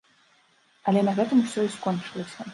Але на гэтым усё і скончылася.